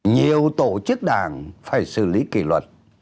nhiều tổ chức đảng phải xử lý kỳ luật